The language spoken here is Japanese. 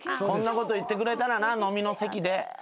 「こんなこと言ってくれたらな飲みの席で」